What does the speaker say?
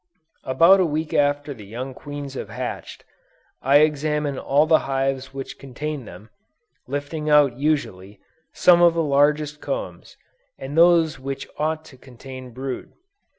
About a week after the young queens have hatched, I examine all the hives which contain them, lifting out usually, some of the largest combs, and those which ought to contain brood.